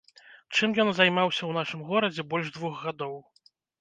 Чым ён займаўся ў нашым горадзе больш двух гадоў?